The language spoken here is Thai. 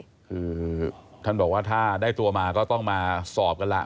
คือท่านบอกว่าถ้าได้ตัวมาก็ต้องมาสอบกันล่ะ